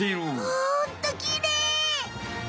ほんときれい！